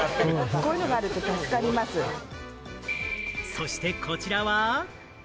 そして、こちらは。